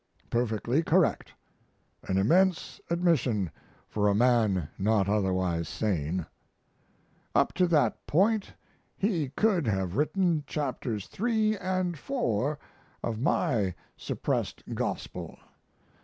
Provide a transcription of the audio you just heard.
Perfectly correct! An immense admission for a man not otherwise sane. Up to that point he could have written Chapters III & IV of my suppressed Gospel.